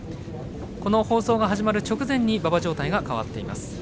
この放送が始まる直前に馬場状態が変わっています。